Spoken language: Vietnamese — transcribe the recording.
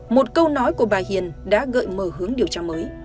một câu nói của bà hiền đã gợi mở hướng điều tra mới